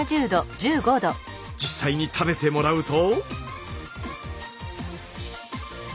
実際に食べてもらうと。